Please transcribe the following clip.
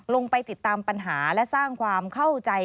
ลงไปติดตามปัญหาและสร้างความเข้าใจ